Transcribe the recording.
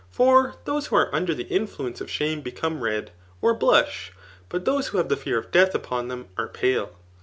For those who are under the influence of shame become red, or blush ; but those who have the fear of death upon them are pale.